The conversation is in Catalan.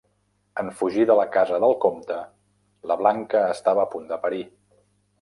En fugir de la casa del comte, la Blanca estava a punt de parir.